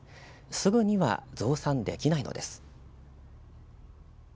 すぐには増産できないのです。